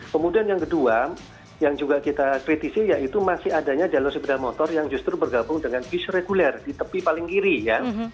kemudian yang kedua yang juga kita kritisi yaitu masih adanya jalur sepeda motor yang justru bergabung dengan bis reguler di tepi paling kiri ya